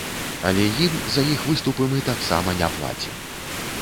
Але ім за іх выступы мы таксама не плацім.